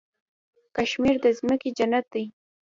کشمیر د ځمکې جنت دی.